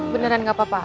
beneran gak apa apa